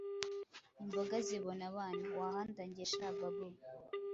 imboga zibona abana wahandangiye sha Babou